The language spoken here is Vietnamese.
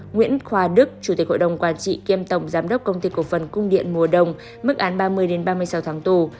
nguyễn khoa đức chủ tịch hội đồng quản trị kiêm tổng giám đốc công ty cổ phần cung điện mùa đông mức án ba mươi ba mươi sáu tháng tù